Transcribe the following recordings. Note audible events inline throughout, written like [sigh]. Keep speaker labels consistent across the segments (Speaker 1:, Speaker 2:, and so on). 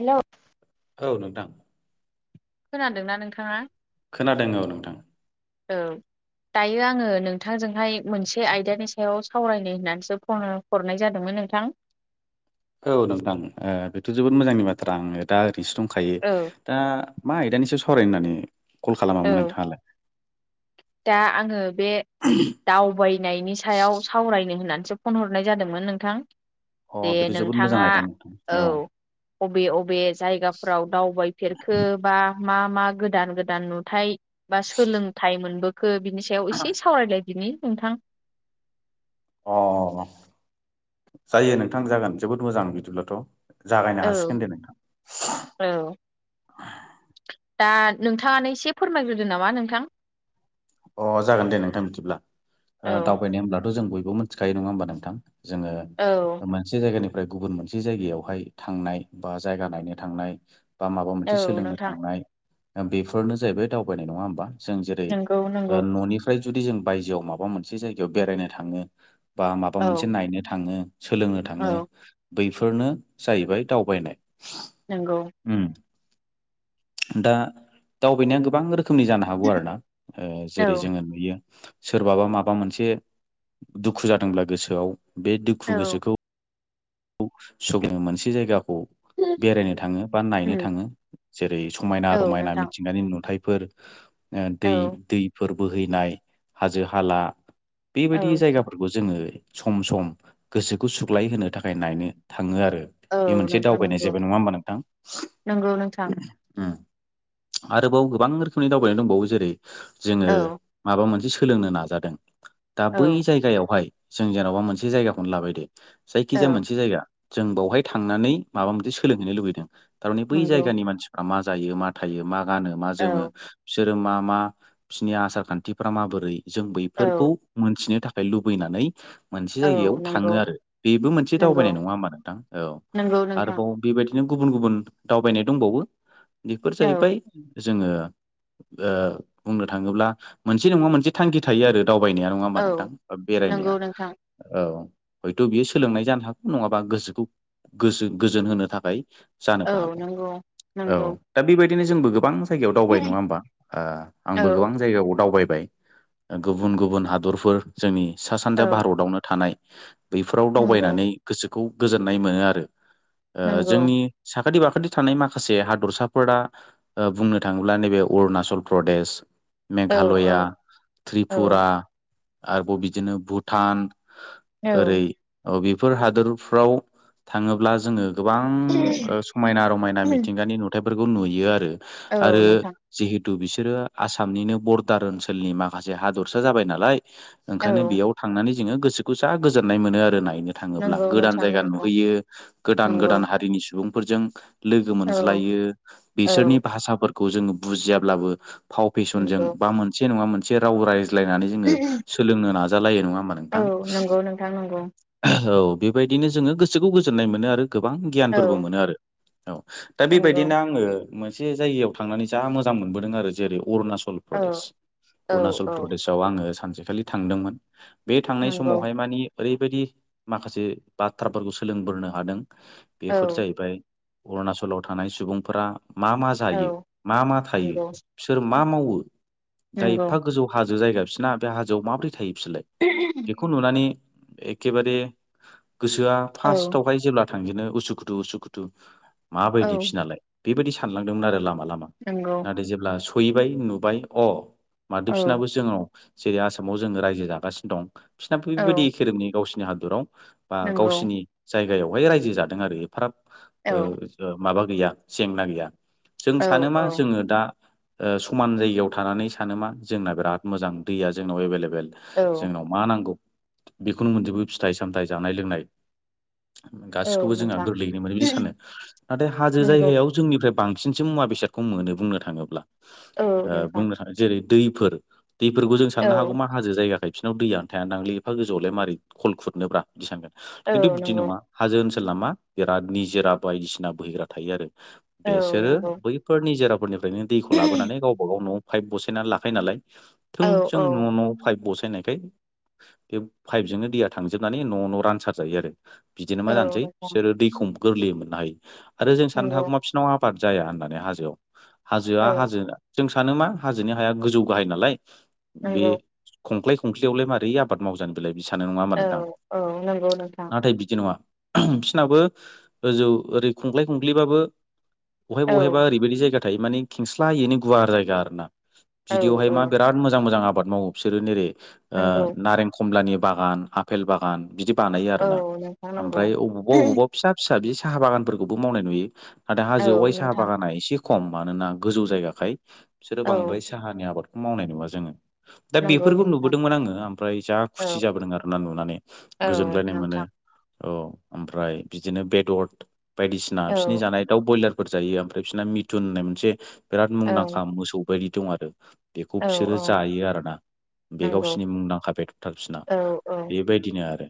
Speaker 1: हेल'
Speaker 2: औ नोंथां।
Speaker 1: खोनादोंना नोंथाङा?
Speaker 2: खोनादों औ नोंथां।
Speaker 1: औ। दायो आङो नोंथांजोंहाय मोनसे आयदानि सायाव सावरायनो होननानैसो फन हरनाय जादोंमोन नोंथां।
Speaker 2: औ नोंथां बेथ' जोबोद मोजांनि बाथ्रा आङो दा ओरैनोसो दंखायो।
Speaker 1: औ
Speaker 2: दा मा आयदानिसो सराय होननानै कल
Speaker 1: औ
Speaker 2: खालामामोन नोंथाङालाय
Speaker 1: दा आङो बे दावबायनायनि सायाव सावरायनो होननानैसो फन हरनाय जादोंमोन नोंथां
Speaker 2: अ
Speaker 1: दे
Speaker 2: बेथ' जोबोद मोजां
Speaker 1: नोंथाङा
Speaker 2: आयदा नोंथां
Speaker 1: औ। अबे बबे जायगाफोराव दावबायफेरखो बा मा मा गोदान गोदान नुथाय बा सोलोंथाइ मोनबोखो बिनि सायाव एसे सावरायलाय बिनि नोंथां।
Speaker 2: अ जायो नोंथां जागोन जोबोद मोजां बिदिब्लाथ'। जागायनो
Speaker 1: औ
Speaker 2: हासिगोन दे नोंथां।
Speaker 1: औ। दा नोंथाङानो एसे फोरमायग्रोदो नामा नोंथां?
Speaker 2: अ जागोन दे नोंथां मिथिब्ला
Speaker 1: औ
Speaker 2: दावबायनाय हब्लाथ' जों बयबो मोनसे मिथिखायो नङा होमबा नोंथां जोङो
Speaker 1: औ
Speaker 2: मोनसे जायगानिफ्राय गुबुन मोनसे जायगायावहाय थांनाय बा जायगा नायनो थांनाय। बा माबा
Speaker 1: औ
Speaker 2: मोनसे सोलोंनो
Speaker 1: नोंथां
Speaker 2: थांनाय बेफोरनो जाहैबाय दावबायनाय नङा होमबा जों जेरै
Speaker 1: नंगौ नंगौ
Speaker 2: न'निफ्राय जुदि जों बायजोआव माबा मोनसे जायगायाव बेरायनो थाङो। बा माबा
Speaker 1: औ
Speaker 2: मोनसे नायनो थाङो सोलोंनो थाङो।
Speaker 1: औ
Speaker 2: बैफोरनो जाहैबाय दावबायनाय
Speaker 1: नंगौ।
Speaker 2: दा दावबायनाया गोबां रोखोमनि जानो हागौ आरो ना।
Speaker 1: औ
Speaker 2: जेरै जोङो नुयो सोरबाबा माबा मोनसे दुखु जादोंब्ला गोसोआव बे दुखु
Speaker 1: औ
Speaker 2: गोसोखौ सनो मोनसे जायगाखौ बेरायनो थाङो बा नायनो
Speaker 1: उम
Speaker 2: थाङो जेरै समायना
Speaker 1: औ
Speaker 2: रमायना
Speaker 1: नोंथां
Speaker 2: मिथिंगानि नुथाय फोर
Speaker 1: औ
Speaker 2: दै दैफोर बोहैनाय हाजो हाला
Speaker 1: औ
Speaker 2: बेबायदि जायगाफोरखौ जोङो सम सम गोसोखौ सुग्लाय होनोनो थाखाय नायनो थाङो आरो
Speaker 1: औ
Speaker 2: बे मोनसे
Speaker 1: नोंथां
Speaker 2: दावबायनाय
Speaker 1: नंगौ
Speaker 2: जाबाय नङा होमबा नोंथां।
Speaker 1: नंगौ नोंथां
Speaker 2: आरोबाव गोबां रोखोमनि दावबायनाय दंबावो जेरै जोङो
Speaker 1: औ
Speaker 2: माबा मोनसे सोलोंनो नाजादों। दा बै
Speaker 1: औ
Speaker 2: जायगायावहाय जों जेन'बा मोनसे जायगाखौनो लाबाय दे जायखिजाया
Speaker 1: औ
Speaker 2: मोनसे जायगा जों बावहाय थांनानै माबा मोनसे सोलोंहैनो लुबैदों थारमाने बै
Speaker 1: नंगौ
Speaker 2: जायगानि मानसि मा जायो मा थायो मा गानो मा
Speaker 1: औ
Speaker 2: जोमो। बिसोरो मा मा बिसोरनि आसार खान्थिफ्रा माबोरै जों
Speaker 1: औ
Speaker 2: बैफोरखौ मोनथिनो थाखाय लुबैनानै मोनसे
Speaker 1: औ
Speaker 2: जायगायाव थाङो
Speaker 1: नंगौ
Speaker 2: आरो बेबो मोनसे
Speaker 1: नंगौ
Speaker 2: दावबायनाय नङा नोंथां औ
Speaker 1: नंगौ नोंथां
Speaker 2: आरोबाव बेबायदिनो गुबुन गुबुन दावबायनाय दंबावो। बेफोर
Speaker 1: औ
Speaker 2: जाहैबाय जोङो ओ बुंनो थाङोब्ला मोनसे नङा मोनसे थांखि थायो आरो दावबायनायानो। नङा हा नोंथां
Speaker 1: औ नंगौ
Speaker 2: बेरायनाया
Speaker 1: नोंथां
Speaker 2: औ हयथ' बियो सोलोंनाय जानो हागौ। नङाबा गोसोखौ गो गोजोन होनो थाखाय
Speaker 1: औ
Speaker 2: जानोबो हागौ
Speaker 1: नंगौ
Speaker 2: औ
Speaker 1: नंगौ
Speaker 2: दा बेबायदिनो जोंबो गोबां जायगायाव
Speaker 1: औ
Speaker 2: दावबाय नङा होमबा ओ आंबो गोबां जायगायाव दावबाय। गुबुन गुबुन हादरफोर जोंनि सा सानजा
Speaker 1: औ
Speaker 2: भारतावनो थानाय बैफोराव
Speaker 1: नंगौ
Speaker 2: दावबायनानै गोसोखौ गोजोननाय मोनो आरो ओ
Speaker 1: नंगौ
Speaker 2: जोंनि साखाथि बाखाथि थानाय माखासे हादरसाफोरा ओ बुंनो थाङोब्ला नैबे अरुणाचल प्रदेश
Speaker 1: औ औ
Speaker 2: मेघालया
Speaker 1: औ
Speaker 2: त्रिपुरा आरोबाव बिदिनो भुटान
Speaker 1: औ
Speaker 2: ओरै बेफोर हादोरफ्राव थाङोब्ला जोङो गोबां समायना रमायना मिथिंगानि नुथायाइफोरखौ नुयो आरो
Speaker 1: औ
Speaker 2: आरो
Speaker 1: नोंथां
Speaker 2: जिहेतु बिसोरो आसामनिनो बरदार ओनसोलनि माखासे हादरसा जाबाय नालाय।
Speaker 1: औ
Speaker 2: ओंखायनो बेयाव थांनानै जोङो गोसोखौ जा गोजोननाय मोनो आरो नायनो। थाङोब्ला
Speaker 1: नंगौ
Speaker 2: गोदान
Speaker 1: नोंथां
Speaker 2: जायगा
Speaker 1: नंगौ
Speaker 2: नुहैयो गोदान
Speaker 1: नंगौ
Speaker 2: गोदान हारिनि सुबुंफोरजों लोगो
Speaker 1: औ
Speaker 2: मोनज्लायो
Speaker 1: औ
Speaker 2: बिसोरनि भाषाफोरखौ जोङो बुजियाब्लाबो फाव फेसनजों
Speaker 1: नंगौ
Speaker 2: बा मोनसे नङा मोनसे राव रायज्लायनानै जोङो सोलोंनो नाजालायो नङा होमबा नोंथां?
Speaker 1: नांगौ
Speaker 2: औ बेबायदिनो जोङो गोसोखौ गोजोननाय मोनो आरो गोबां
Speaker 1: औ
Speaker 2: गियानफोरबो मोनो आरो। औ दा
Speaker 1: नंगौ
Speaker 2: बेबायदिनो आङो मोनसे जायगायाव थांनानै जा मोजां मोनबोदों आरो जेरै अरुणाचल
Speaker 1: औ
Speaker 2: प्रदेश
Speaker 1: औ
Speaker 2: अरुणाचल
Speaker 1: औ
Speaker 2: प्रदेशआव आङो सानसेखालि थांदोंमोन। बे थांनाय
Speaker 1: नंगौ
Speaker 2: समावहाय मानिे ओरैबायदि माखासे बाथ्राफोरखौ सोलोंबोनो हादों
Speaker 1: औ
Speaker 2: बेफोर जाहैबाय अरुणचलाव थानाय सुबुंफोरा मा मा
Speaker 1: औ
Speaker 2: जायो मा मा थायो?
Speaker 1: नंगौ
Speaker 2: बिसोर मा मावो दा
Speaker 1: नंगौ
Speaker 2: एफा गोजौ हाजो जायगा बिसोरना बे हाजोआव माबोरै थायो बिसोरलाय?
Speaker 1: [inaudible]
Speaker 2: बे खौ नुनानै एखेबारे गोसोआ
Speaker 1: औ
Speaker 2: फार्टावहाय जेब्ला थांजनो उसुखुथु उसुखुथु
Speaker 1: औ
Speaker 2: माबायदि फिनाालाय बेबायदि सानलांदोंमोन आरो लामा लामा।
Speaker 1: नंगौ
Speaker 2: नाथाय जेब्ला सहैबाय नुबाय अ
Speaker 1: औ
Speaker 2: मादोसिनाबो जोंनाव जेरै आसामाव जोङो रायजो जागासिनो दं बिसनााबो
Speaker 1: औ
Speaker 2: बेबायदिखेरेमनि गावसिनि हादराव बा
Speaker 1: नंगौ
Speaker 2: गावसिनि जायगायावहाय रायजो जादों आरो एफा
Speaker 1: औ
Speaker 2: माबा गैया जेंना गैया जों
Speaker 1: औ
Speaker 2: सान मा
Speaker 1: औ
Speaker 2: जोङो दा समान जायगायाव थानानै सानोमा जोंना बिराद मोजां दैया जोंनाव एभेलेबेल
Speaker 1: औ
Speaker 2: जोंनाव मा नांगौ बेखौनो मोनजोबो फिथाइ सामथाइ जानाय लोंनाय
Speaker 1: औ
Speaker 2: गासिखौबो जोंहा
Speaker 1: नोंथां
Speaker 2: गोरलैयैनो मोन बिदि सानो नाथाय हाजो
Speaker 1: नंगौ
Speaker 2: जायगायाव जोंनिफ्राय बांसिनसिन मुवा बेसादखौ मोनो बुंनो थाङोब्ला
Speaker 1: औ नोंथां
Speaker 2: बुंनो थाङो जेरै दैफोर दैफोरखौ जों
Speaker 1: औ
Speaker 2: साननो हागौ मा हाजो जायगाखाय बििनाव दैयानो थाया नांललि एफा गोजौआवलाय मारै खल खुरनोब्रा बिदि सानगोन
Speaker 1: औ
Speaker 2: खिन्थु बिदि
Speaker 1: नंगौ
Speaker 2: नङा। हाजो ओनसोल नामा बिराद निजोरा बायदिसिना बोहैग्रा थायो आरो
Speaker 1: औ
Speaker 2: बेसोरो
Speaker 1: नंगौ
Speaker 2: बै फोर निजोराफोरनिफ्रायनो दैखौ लाबोनानै गावबा गाव न'आव पाइप बसायनानै लाखायो नालाय। थों
Speaker 1: औ
Speaker 2: जों
Speaker 1: औ
Speaker 2: न' न' पाइप बसायनायखाय बे पाइपजोंनो दैया थांजोबनानै न' न' रानसार जायो आरो बिदिनो मा
Speaker 1: औ
Speaker 2: जानोसै बिसोरो दैखौ गोरलै मोननो हायो। आरो जों साननो
Speaker 1: नंगौ
Speaker 2: हागौमा बिसिनाव आबाद जाया होननानै हाजोआव हाजोआ
Speaker 1: औ
Speaker 2: हाजो जों सान मा हाजोनि हाया गोजौ गाहाय नालाय बे
Speaker 1: नंगौ
Speaker 2: खंखाय खंखलिआवलाय मारै आबाद मावजानो बेलाय बिदि सानो नङा होमबा
Speaker 1: औ
Speaker 2: नोंथां
Speaker 1: औ नंगौ नोंथां
Speaker 2: नाथाय बिदि नङा बिसनाबो गोजौ ओरै खुंख्लाय खुंग्लिबाबो बहाय बहायबा
Speaker 1: औ
Speaker 2: ओरैबायदि जायगा माने खेंस्लाायैनो गुवार जायगा आरो ना
Speaker 1: औ
Speaker 2: बिदियावहाय
Speaker 1: औ
Speaker 2: मा बिराद मोजां मोजां आबाद मावो बिसोरो नेरै
Speaker 1: नंगौ
Speaker 2: नारें खमलानि बागान फेल बागान बिदि बानायो आरो
Speaker 1: औ
Speaker 2: ना
Speaker 1: नोंथां नंगौ
Speaker 2: ओमफ्राय अबावबा अबावबा फिसा फिसा बि साहा बागानफोरखौबो मावनाय नुयो नाथाय
Speaker 1: औ
Speaker 2: हाजो आवाइ साहा
Speaker 1: नोंथां
Speaker 2: बागाना एसे खम मानोना गोजौ जायगाखाय बिसोरो
Speaker 1: औ
Speaker 2: बांद्राय साहानि आबादखौ मावनाय नुवा जोङो दा
Speaker 1: नंगौ
Speaker 2: बेफोरखौ
Speaker 1: नोंथां
Speaker 2: नुबोदोंमोन आङो ओमफ्राय जा
Speaker 1: औ
Speaker 2: खुसि जाबोदों आरो ना नुनानै
Speaker 1: औ
Speaker 2: गोजोनग्लायनाय मोनो।
Speaker 1: नोंथां
Speaker 2: औ ओमफ्राय बिदिनो बेदर बायदिसिना
Speaker 1: औ
Speaker 2: बिोरनि जानाय दाउ ब्रयलार फोर जायो ओमफ्राय बिसोरना मिथुन होननाय मोनसे बिराद
Speaker 1: औ
Speaker 2: मुंदांखा मोसौ बायदि दं आरो बेखौ
Speaker 1: औ
Speaker 2: बिसोरो
Speaker 1: औ
Speaker 2: जायो आरोना बे
Speaker 1: नंगौ
Speaker 2: गावसिोरनि मुंदांखा बेथरथाल बिसोना।
Speaker 1: औ औ
Speaker 2: बेबायदिनो आरो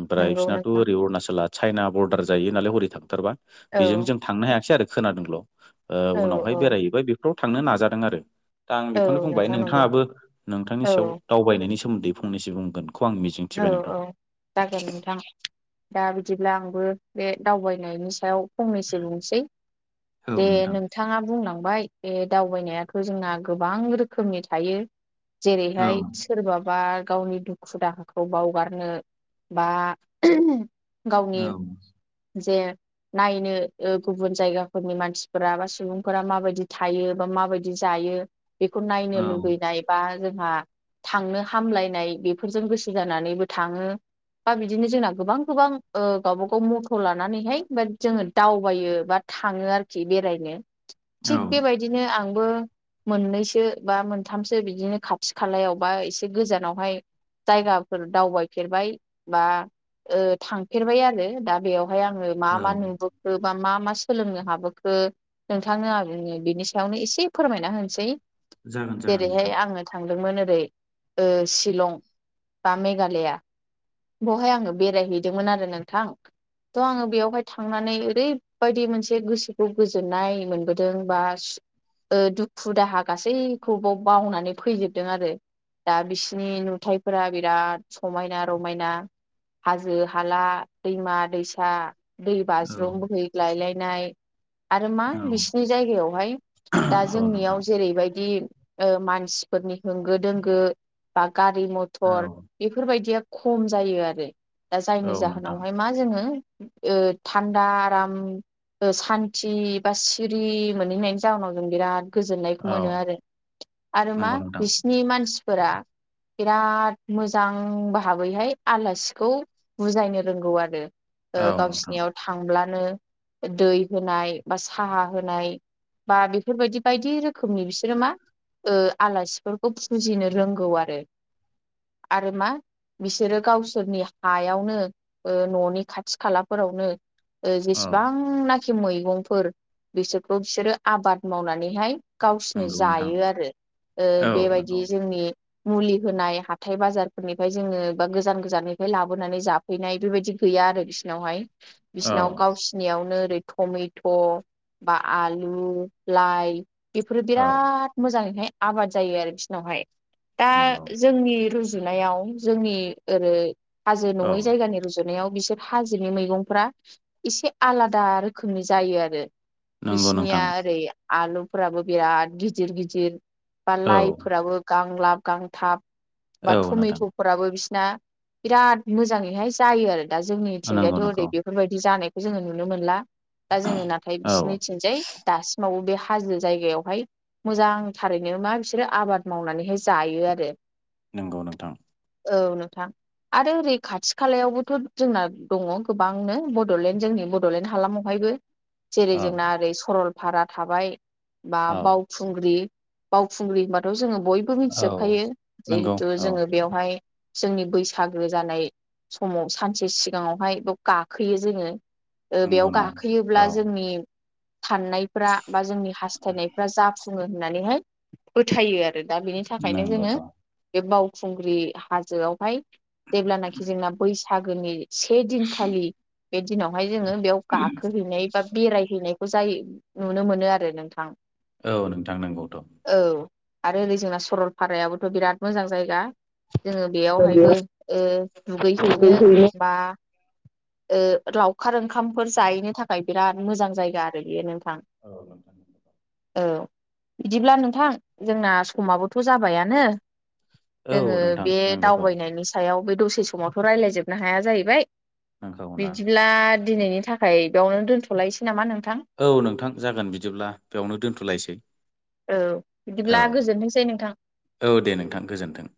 Speaker 2: ओमफ्राय
Speaker 1: नंगौ
Speaker 2: बिसोरनाथ'
Speaker 1: नोंथां
Speaker 2: ओरै अरुणाचला चाइना बरडार जायो नालाय हरै थांथारबा
Speaker 1: औ
Speaker 2: बेजों जों थांनो हायाखासै आरो खोनादोंल'
Speaker 1: औ
Speaker 2: उनावहाय
Speaker 1: औ
Speaker 2: बेरायहैबाय बे फाव थांनो नाजादों आरो दा आं
Speaker 1: औ
Speaker 2: बेखौनो बुंबाय
Speaker 1: नोंथां नंगौ
Speaker 2: नोंथाङाबो नोंथांनि
Speaker 1: औ
Speaker 2: सायाव दावबायनायनि सोमोन्दै फंनसो बुंगोनखौ आं मिजिं
Speaker 1: औ औ जागाय नोंथां दा बिदिब्ला आंबो बे दावबायनायनि सायाव फंनैसो बुंनोसै
Speaker 2: औ
Speaker 1: दे
Speaker 2: नोंथां
Speaker 1: नों बिथाङा बुंलांबाय ए दावबायनायाथ' जोंना गोबां रोखोमनि थायो।
Speaker 2: औ
Speaker 1: जेरैहाय सोरबाबा गावनि दुखु दाहा खौ बावगारनो बा गावनि
Speaker 2: औ
Speaker 1: जे नायनो गुबुन जायगाफोरनि मानसिफोरा बा सुबुंफोरा माबायदि थायो बा माबायदि जायो। बेखौ नायनो
Speaker 2: औ
Speaker 1: लुगैनाय बा जोंहा थांनो हामलायनाय बेफोरजों गोसो जानानैबो थाङो बा बिदिनो जोंना गोबां गोबां गावबाागाव मथ' लानानैहाय बा जोङो दावबायो बा थाङो आरोखि बेरायनो थिग
Speaker 2: औ
Speaker 1: बेबायदिनो आंबो मोननैसो बा मोनथामसो बिदिनो खाथि खालायाव बा एसे गोजानावहाय जायगाफोर दावबायफेरबाय बा थांफेरबाय आरो दा बेयाव बेहाय आङो मा
Speaker 2: औ
Speaker 1: मा नुबोखो बा मा मा सोलोंनो हाबोखो नोंथांनो बिनि सायावनो एसे फोरमायना होनोसै।
Speaker 2: जागोन जागोन
Speaker 1: जेरैहाय
Speaker 2: नोंथां
Speaker 1: आङो थांदोंमोन ओरै शिलं बा मेघालया बेवहाय आङो बेरायहैदोंमोन आरो नोंथां। थ' आङो बेयावहाय थांनानै ओरैबायदि मोनसे गोसोखौ गोजोननाय मोनबोदों बा दुखु दाहा गासैखौबो बावनानै फैजोबदों आरो। दा बिसिनि नुथाय फोरा बिराद समायना रमायना हाजो हाला दैमा दैसा दै
Speaker 2: औ
Speaker 1: बाज्रुम बोहैग्लायलायनाय आरो मा
Speaker 2: औ
Speaker 1: बिसिनि जायगायावहाय दा
Speaker 2: औ नोंथां
Speaker 1: जोंनियाव जेरैबायदि मानसिफोरनि होंगो दोंगो बा गारि
Speaker 2: औ
Speaker 1: मथर बेफोरबायदिया खम जायो आरो दा जायनि
Speaker 2: औ नोंथां
Speaker 1: जाहोनावहाय मा जोङो आ थान्दा आराम सान्थि बा सिरि मोनहैनायनि जााहोनाव जों बिराद गोजोननायखौ
Speaker 2: औ
Speaker 1: मोनो आरो आरो मा
Speaker 2: नंगौ नोंथां
Speaker 1: बिसिनि मानसिफोरा बिराद मोजां भाबैहाय आलासिखौ बुजायनो रोंगौ आरो।
Speaker 2: औ नोंथां
Speaker 1: गावसिनियाव थांब्लानो दै होनाय बा साहा होनाय बा बेफोरबायदि बायदि रोखोमनि बिसोरो मा आलासिफोरखौ फुजिनो रोंगौ आरो। आरो मा बिसोरो गावसोरनि हायावनो न'नि खाथि खालाफोरावनो
Speaker 2: औ
Speaker 1: जेसेबांनाखि मैगंफोर बिसोरखौ बिसोरो आबाद मावनानैहाय गावसिनो
Speaker 2: नंगौ नोंथां
Speaker 1: जायो आरो
Speaker 2: औ नंगौ
Speaker 1: बेबायदि जोंनि मुलि होनाय ह हााथथाय बाजारफोरनिफ्राय जोङो बा गोजान गोजाननिफ्राय लाबोनानै जाफैनाय बेबायदि गैया आरो बिसिोरनावहाय
Speaker 2: औ
Speaker 1: बिसिनाव गावसि फिनाययावनो ओरै टमेट' बा आलु लाइ बेफोरो
Speaker 2: औ
Speaker 1: बिराद मोजाङैहाय आबाद जायो आरो बिसिोरनावहाय दा
Speaker 2: नंगौ
Speaker 1: जोंनि रुजुनायाव जोंनि ओै हाजो
Speaker 2: औ
Speaker 1: नङै जायगानि रुज गुजुनायाव बिसोर हाजोनि मैगंफ्रा एसे आलादा रोखोमनि जायो आरो
Speaker 2: नंगौ
Speaker 1: बिसिनिया
Speaker 2: नोंथां
Speaker 1: ओरै आलुफोराबो बिराद गिदिर गिदिर बा
Speaker 2: औ
Speaker 1: लाइफोराबो गांलाब गांथाब बा
Speaker 2: औ नोंथां
Speaker 1: टमेट'फोराबो बिसिना बिराद मोजाङैहाय जायो आरो दा
Speaker 2: नंगौ
Speaker 1: जोंनिथिंजायाथ' ओरै
Speaker 2: नंगौ
Speaker 1: बेफोरबायदि जानायखौ जोङो नुनो मोनला दा जोङो नाथाय
Speaker 2: औ
Speaker 1: बिसिोरनि थिंजाय दासिमावबो बे हाजो जायगायावहाय मोजांथारैनो मा बिसोरो आबाद मावनानैहाय जायो आरो
Speaker 2: नंगौ नोंथां
Speaker 1: औ नोंथां आरो ओरै खाथि खालायावबोथ' जोंना दङ गोबांनो बड'लेण्ड जोंनि बड'लेण्ड हालामाव बेहायबो जेरै
Speaker 2: औ
Speaker 1: जोंना ओरै सरलपारा थाबाय बा
Speaker 2: औ
Speaker 1: बाव खुंग्रि बावखुंग्रि होनबाथ' जोङो बयबो
Speaker 2: औ
Speaker 1: मिथिजोबखायो
Speaker 2: नंगौ
Speaker 1: जिहेथु
Speaker 2: औ
Speaker 1: जोङो बेवहाय जोंनि बैसागो जानाय समाव सानसे सिगाङावहाय बेयाव गाखोयो जोङो बेयाव
Speaker 2: नंगौ ना
Speaker 1: गाखोयोब्ला
Speaker 2: औ
Speaker 1: जोंनि साननायफ्रा बा जोंनि हास्थायनायफ्रा जाफुङो होननानैहाय फोथायो आरो दा बेनि थाखाय नि थाखायनो
Speaker 2: नंगौथ'
Speaker 1: जोङो बे बावखुंग्रि हाजोआवहाय जेब्लानाखि जोंना बैसागोनि से दिनखालि बे दिनावहाय जोङो बेयाव गाखोहैनाय बा बेरायहैनायखौ जायो नुनो मोनो आरो नोंथां
Speaker 2: औ नोंथां नंगौथ'
Speaker 1: औ आरो ओरै जोंना सरलपारायाबोथ' बिराद मोजां जायगा जोङो बेयावहायबो दुगै हैैनो बा ओ लावखार ओंखामफोर जाहैनो थाखाय बिराद मोजां जायगा आरो बेयो नोंथां
Speaker 2: औ नोंथां
Speaker 1: औ बिदिब्ला नोंथां जोंना समाबोथ' जाबायानो जोङो
Speaker 2: औ नोंथां
Speaker 1: बे
Speaker 2: नंगौथ'
Speaker 1: दावबायनायनि सायाव बे दसे समावथ' राय्लायजोबनो हाया जाहैबाय
Speaker 2: नंखागौना
Speaker 1: बिदिब्ला दिनैनि थाखाय बेयावनो दोन्थ'लायनोसै नामा नोंथां
Speaker 2: औ नोंथां जागोन बिदिब्ला बेयावनो दोन्थ'लायसै
Speaker 1: औ बिदिब्ला गोजोनथोंसै नोंथां
Speaker 2: औ दे नोंथां गोजोन्थों